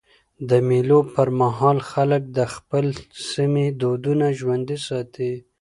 د مېلو پر مهال خلک د خپل سیمي دودونه ژوندي ساتي.